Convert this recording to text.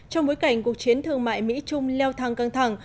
trong bối cảnh cuộc chiến thương mại mỹ trung leo thang căng thẳng